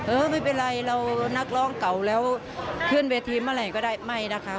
เออไม่เป็นไรเรานักร้องเก่าแล้วขึ้นเวทีเมื่อไหร่ก็ได้ไม่นะคะ